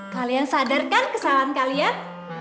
kalian sadarkan kesalahan kalian